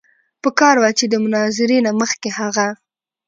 پکار وه چې د مناظرې نه مخکښې هغه